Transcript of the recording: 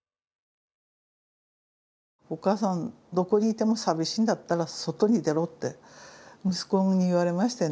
「お母さんどこにいても寂しいんだったら外に出ろ」って息子に言われましてね。